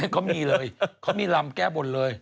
เขามีเลยเขามีลำแก้บนเลย